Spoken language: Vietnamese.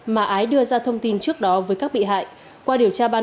mà ái đưa ra thông tin trước đó với các bị hại